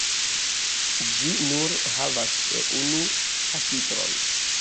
Ĝi nur havas unu ĉapitron.